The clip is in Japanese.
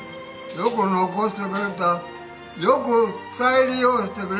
よく残してくれたよく再利用してくれた。